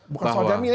bukan soal jaminan